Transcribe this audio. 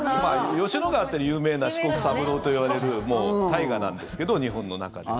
吉野川って有名な四国三郎といわれる大河なんですけど日本の中では。